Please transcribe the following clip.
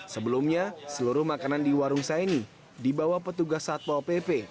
sebelumnya seluruh makanan di warung saini dibawa petugas satpol pp